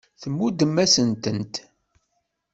Tmuddemt-asen-tent.